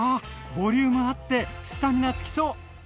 ボリュームあってスタミナつきそう！